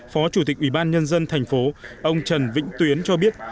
phó chủ tịch ủy ban nhân dân tp hcm ông trần vĩnh tuyến cho biết